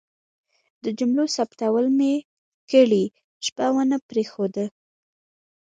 د جملو ثبتول مې کرۍ شپه ونه پرېښود.